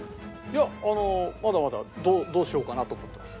いやあのまだまだどうしようかなと思ってます。